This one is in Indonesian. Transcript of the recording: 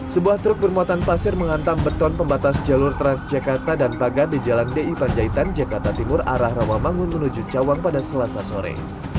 sebuah truk bermuatan pasir menghantam beton pembatas jalur transjakarta dan pagar di jalan di panjaitan jakarta timur arah rawamangun menuju cawang pada selasa sore